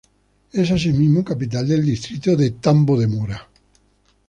Es asimismo capital del distrito de Tambo de Mora.